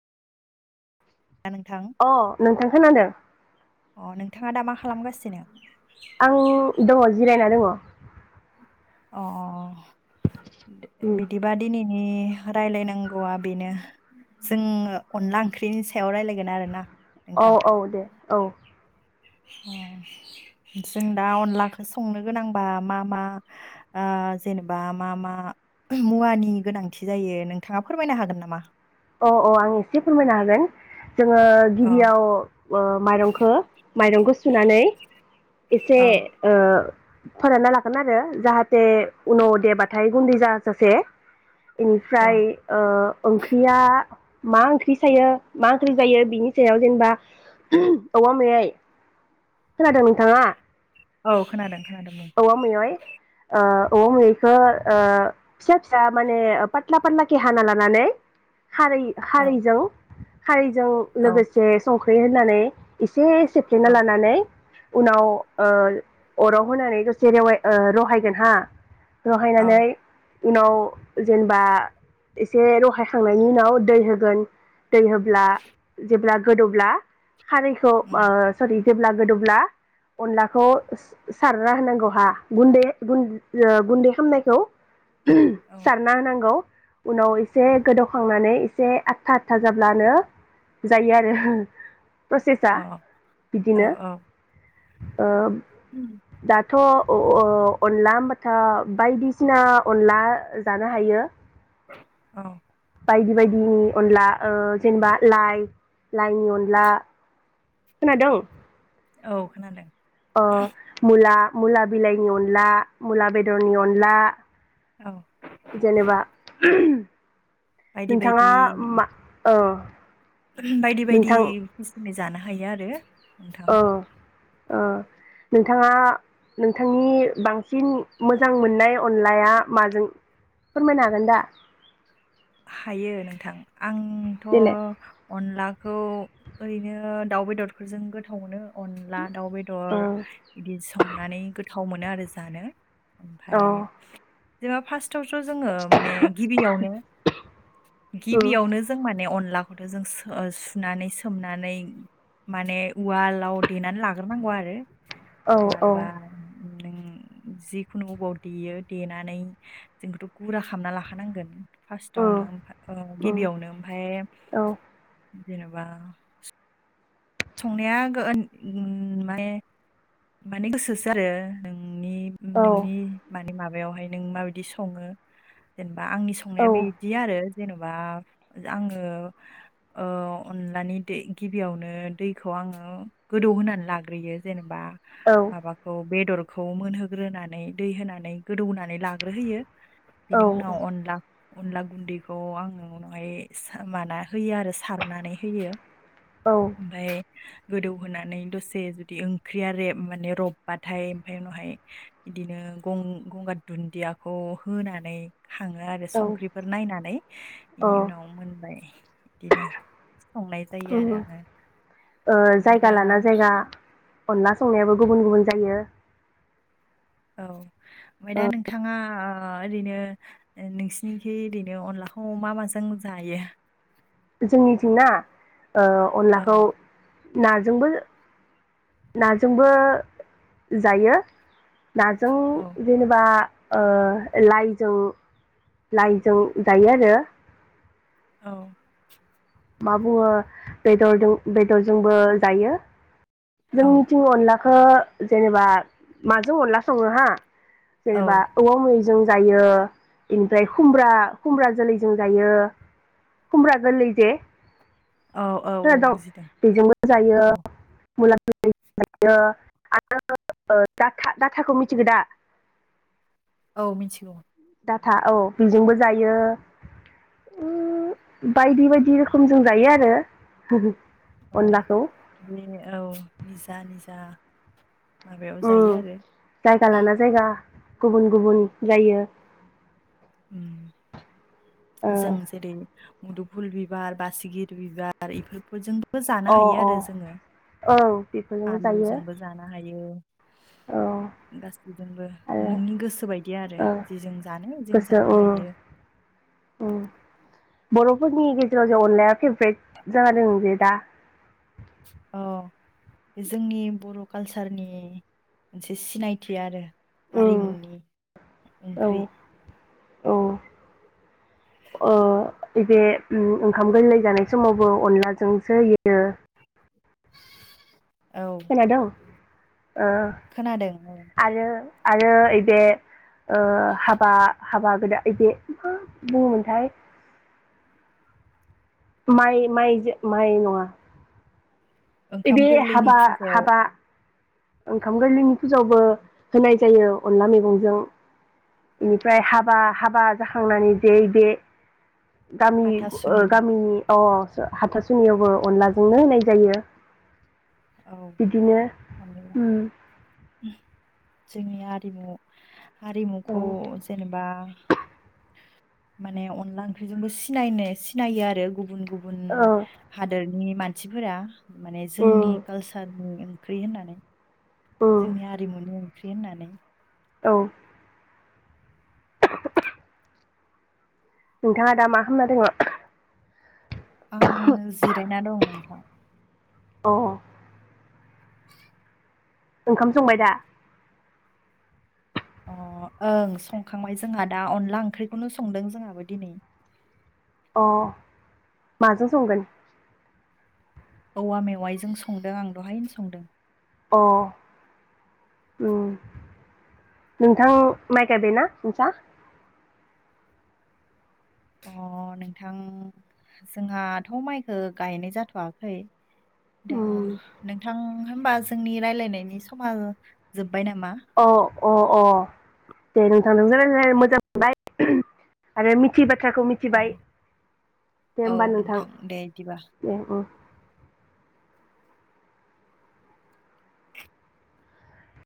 ना नोंथां अ नोंथां खोनादों अ नोंथाङा दा मा खालामगासिनो आं दंङ जिरायना दंङ अ अ अ बिदिबा दिनै ए रायलायनांगौआ बेनो जोंङो अनला ओंख्रिनि सायाव रायलायगोन आरोना औ नोंथां औ दे औ अ जों दा अनलाखौ संनो गोनांबा मा मा ओ जेनेबा मा मा मुवानि गोनांथि जायो नोंथाङा फोरमायनो हागोन नामा अ अ आं एसे फोरमायनो हागोन जोंङो अ गिबियाव माइरंखो माइरंखो सुनानै एसे औ फोरानना लागोन आरो जाहाथे उनाव देबाथाय गुन्दै जाजासे औ बेनिफ्राय ओ ओं दा मा ओंख्रि सायो मा ओंख्रि जायो बिनि सायाव जेनेबा औवा मेयाय खोनादों नोंथाङा औ खोनादों खोनादों बुं औवा मेवाइ ओ औवा मेवायखो ओ फिसा फिसा माने पाथ्ला पाथ्लाखे हाना लानानै खारै खारै औ जों खारै जों औ लोगोसे संख्रि बे होनानै एसे सेबफ्लेना औ लानानै उनाव ओ अराव होनानै दसे रेवाय ओ रहायगोन हा रहायनानै औ उनाव जेनेबा एसे रहाय खांनायनि उनाव दै होगोन दै होब्ला जेब्ला गोदौब्ला खारैखौ उम ओ सरि जेब्ला गोदौब्ला अनलाखौ सारना होनांगौ हा गुन्दै गुन गुन्दै खामनायखौ औ सारना होनांगौ उनाव इसे उम संनानै एसे आथशथा आथा जाब्लानो जायो आरो प्रसेसा अ औ औ बिदिनो ओम दाथ' अनला होनबाथाम बायदिसिना अनला जानो हायो अह बायदि बायदिनि अनला ओ जेनेबा लाइ लाइनि अनला खोनादों? औ खोनादों अ मुला मुला बिलाइनि अनला मुला बेदरनि अनला। औ जेनेबा बायदि बायदि नोंथांआ मा ओ बायदि बायदि नोंथां खिसुमनि जानो हा हायो आरो नोंथां। ओ ओ नोंथांआ नोंथांनि बांसिन मोजां मोननाय अनलाया माजों फोरमायनो हागोन दा? हायो नोंथां आंथ' देलाय अनलाख खौ ओरैनो दाउ बेदरफोरजों गोथाव मोनो। अनला दाउ ओ बेदर बिदि संनानै गोथ गोथाव मोनो आरो जानो। औ ओमफाय जेनबा फासथ थावथ' जोङो माने गिबियावनो उम गिबियावनो जों मान ने अनलाखौथ' जों सो ओ सुनानै सोमनानै माने उवालाव देनानै लाग्रोनांगौ आरो औ उवाल औ बा नों जिखुनु अबाव देयो देनानै जों इखौथ' गुरा खालामना लाखानांगोन। उम फार्स्टआवनो ओमफा ओ उम गिबियावनो ओमफाय औ जेन'बा संनाया आगो ओन माने माने गोसोसो आरो नों औ नों माबायावहाय नों माबादि सङो जेन बा आंनि औ संनाया बिदि आरो जेन'बा आङो ओ अनलानि दै गिबियावनो दैखौ आङो गोदौ होनानै लाग्रोयो जेनेबा औ माबाखौ बेदरखौ मोनहोग्रोनानै दै होनानै गोदौनानै लाग्रोहोयो बिनि उनाव अनला अनला गुन्दैखौ आंङो उनावहाय सा माना होयो आरो सारनानै होयो। औ गोदौहोनानै दसे जुदि ओंख्रिया रेब माने रबबाथाय ओमफ्राय उनावहाय बिदिनों गं-गंगार दुन्दियाखौ होनानै खांङो आरो औ संख्रिफोर नायनानै बेनि उनाव मोनबाय बिदिनो संनाय जायो उम आरो आंङो। ओ जायगा लाना जायगा अनला सं संनायाबो गुबुन गुबुन जायो औ ओमफ्राय दा ओ नोंथांङा आ ओ ओरैनो ओ नोंसिनिखि ओरैनो अनलाखौ मा माजों जायो? जोंनि थिंना ओ औ अनलाखौ नाजोंबो नाजोंबो जायो नाजों औ जेनेेबा ओ लाइजों लाइजों जायो आरो औ मा बुंङो बेदरजों बेदरजोंबो जायो। औ जोंनिथिं अनला ओ जेनेबा माजों अनला संङो हा? जेनेबा औ औवा मैजों जों जायो बेनिफ्रा खुमब्रा खुमब्रा जोलैजों जायो खुमब्रा गोरलै जे औ औ औ दं बुजिदों बेजोंबो जायो औ [unintelligible] औ मिथिगौ डाटा औ बेजोंबो जायो उम बायदि बायदि रोखोमजों जायो आरो हो हो। अ दे औ निजा निजा माबायाव जायो उम आरो जायगा लाना जायगा गुबुन गुबुन जायो [inaudible] जों ओ जेरै मुदुफुल बिबार बसिगि बिबार इफोरफोरजोंबो जानो हायो अ अ आरो जोंङो औ बेफोरजोंबो जायो आलुजोंबो जानो हायो। औ [inaudible] गासैजोंबो आरो नोंनि गोसो बायदि आरो ओ जे जों जानो इजों गोसो जानो उम होयो। उम बर'फोरनि गेजेराव जे अनलाया फेभ्रेट जानादों जे दा अ बे जोंनि बर' कालसारनि मोनसे सिनायथि आरो उम हारिमुनि औ ओंख्रि औ ओ बे उम ओंखाम गोरलै जानाय समावबो अनलाजोंसो हायो औ [inaudible] ओ खोनादों औ आरो आरो ओइ बे ओ हाबा हाबा गोदा इदि मा बुङोमोनथाय माइ माइजो माइ नङा ओंखाम इदि गोरलैनि हाबा फुजायाव हाबा ओंखाम गोरलैनि फुजायावबो होनाय जायो अनला मैगंजों बेनिफ्राय हाबा हाबा जाखांनानै दे दे गामि ओ हाथासुनि गामिनि अ सो हाथासुनियावबो अनलाजोंनो होनाय जायो औ बिदिनो अनला उम जोंनि आरिमु औ हारिमुखौ जेनेबा माने अनला ओंख्रिजोंबो सिनायनो सिनायो आरो गुबुन गुबुन औ हादोर नि मानसिफोरा माने जोंनि उम नि ओंख्रि होननानै उम जोंनि आरिमुनि ओं ख्रि होननानै औ नोंथाङा दा मा खामना दोङो आं जिरायना दं नोंथां अ ओंखाम संबाय दा अ ओं संखांबाय जोंहा दा अनला ओंख्रिखौनो संदों जोंहाबो दिनै अ माजों संगोन औवा मेवाइजों संदों आं दहायनो संदों अ उम नोंथां माइ गायबायना नोंसा अ नोंथां जोंहाथ' माइखो गायनाय जाथ'वाखै दा उम नोंथां होमबा जोंनि रायलायनायनि समा जोब अ अ अ दे नोंथां [unintelligible] [unintelligible] मोजां मोनबाय आरो मिथिबा बाथ्राखौ औ मिथिबाय दे औ होमबा नोंथां दे बिदिबा दे उम